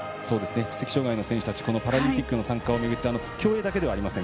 知的障がいの選手たちパラリンピックの参加をめぐってこれは競泳だけではありません。